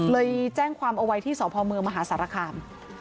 เลยแจ้งความเอาไว้ที่สอพอมเมืองมหาศาสตราคาร